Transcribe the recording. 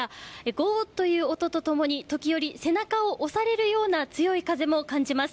ゴーという音と共に時折、背中を押されるような強い風も感じます。